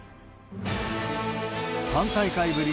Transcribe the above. ３大会ぶり